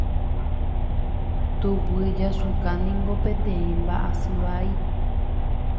Tuguyasuka niko peteĩ mba'asy vai.